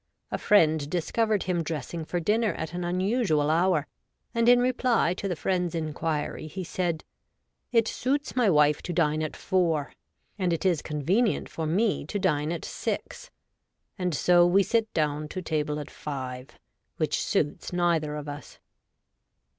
A friend discovered him dressing for dinner at an unusual hour, and, in reply to the friend's inquiry, he said :' It suits my wife to dine at four, and it is convenient for me to dine at six ; and so we sit down to table at five, which suits neither of us.'